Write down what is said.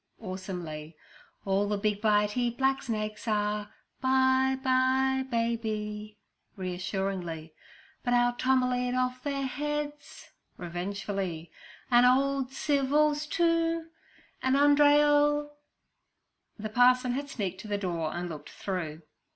(Awesomely) 'All the big, bitey, black snakes are— 'By by, baby. (Reassuringly) 'But our Tom 'll eat off all their heads, (Revengefully) 'An' ole Civil's too; 'An' Andree 'll—' The parson had sneaked to the door and looked through.